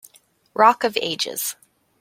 Rock of ages.